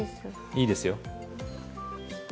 いいですよ。